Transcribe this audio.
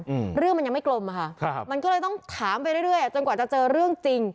อืมเรื่องมันยังไม่กลมอ่ะค่ะครับมันก็เลยต้องถามไปเรื่อยเรื่อยอ่ะจนกว่าจะเจอเรื่องจริง